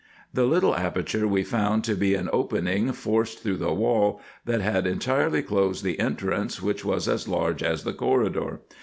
The little aper ture we found to be an opening forced through a wall, that had entirely closed the entrance, which was as large as the corridor.